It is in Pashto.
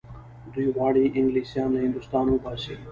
دوی غواړي انګلیسیان له هندوستانه وباسي.